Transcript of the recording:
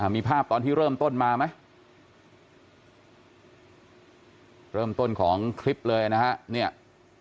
มีภาพตอนที่เริ่มต้นมาไหมเริ่มต้นของคลิปเลยนะฮะเนี่ย